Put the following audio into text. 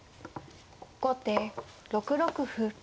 後手６六歩。